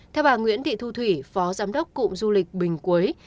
theo bà nguyễn thị thu thủy phó giám đốc cụm du lịch bình quế